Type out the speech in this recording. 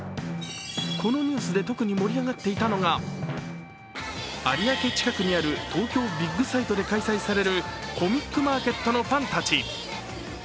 このニュースで特に盛り上がっていたのが、有明近くにある東京ビッグサイトで開催されるコミックマーケットのファンたち。